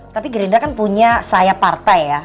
tapi gerindra kan punya sayap partai ya